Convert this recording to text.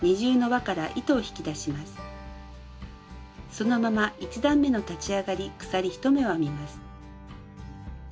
そのまま１段めの立ち上がり鎖１目を編みます。